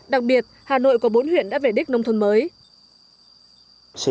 đặc biệt hà nội có bốn huyện đã vẻ đích nông thuận mới